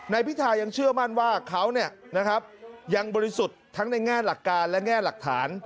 พิทายังเชื่อมั่นว่าเขายังบริสุทธิ์ทั้งในแง่หลักการและแง่หลักฐาน